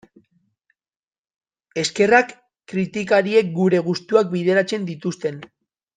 Eskerrak kritikariek gure gustuak bideratzen dituzten...